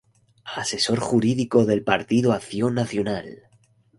Asesor Jurídico del Partido Acción Nacional.